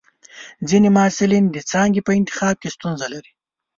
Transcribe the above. ځینې محصلین د څانګې په انتخاب کې ستونزه لري.